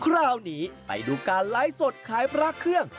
คราวนี้ไปดูการไลฟ์สดขายพระเครื่อง